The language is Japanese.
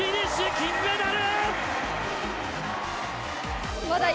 金メダル！